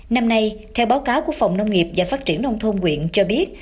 năm nay theo báo cáo của phòng nông nghiệp và phát triển nông thôn quyện cho biết